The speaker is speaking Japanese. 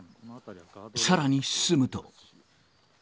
さらに進むと。